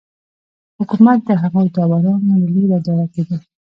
حکومت د هغو داورانو له لوري اداره کېده